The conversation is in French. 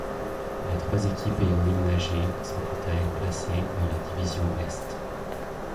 Les trois équipe ayant déménagé sont quant à elles placées dans la division Est.